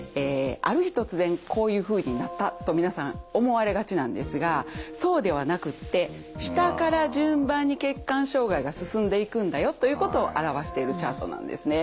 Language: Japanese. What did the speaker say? ある日突然こういうふうになったと皆さん思われがちなんですがそうではなくって下から順番に血管障害が進んでいくんだよということを表しているチャートなんですね。